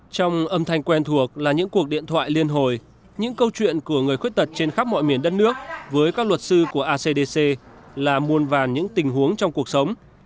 trong âm thanh quen thuộc là những cuộc điện thoại liên hồi những câu chuyện của người khuyết tật trên khắp mọi miền đất nước với các luật sư của acdc là muôn vàn những tình huống trong cuộc sống